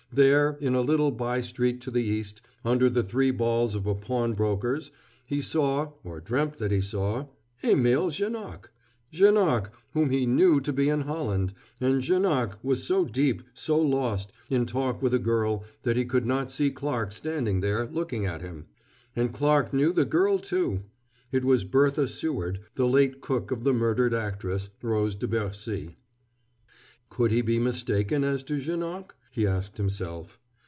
There, in a little by street to the east, under the three balls of a pawnbroker's, he saw, or dreamt that he saw Émile Janoc! Janoc, whom he knew to be in Holland, and Janoc was so deep, so lost, in talk with a girl, that he could not see Clarke standing there, looking at him. And Clarke knew the girl, too! It was Bertha Seward, the late cook of the murdered actress, Rose de Bercy. Could he be mistaken as to Janoc? he asked himself.